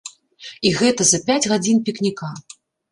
І гэта за пяць гадзін пікніка!